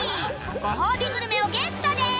ご褒美グルメをゲットです